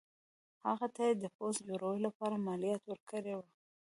هغه ته یې د پوځ جوړولو لپاره مالیات ورکړي وو.